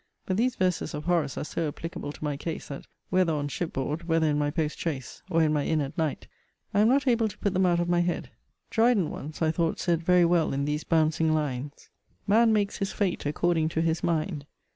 But these verses of Horace are so applicable to my case, that, whether on ship board, whether in my post chaise, or in my inn at night, I am not able to put them out of my head. Dryden once I thought said very well in these bouncing lines: Man makes his fate according to his mind.